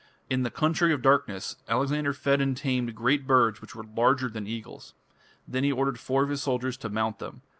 "In the Country of Darkness" Alexander fed and tamed great birds which were larger than eagles. Then he ordered four of his soldiers to mount them.